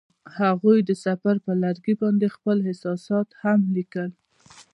هغوی د سفر پر لرګي باندې خپل احساسات هم لیکل.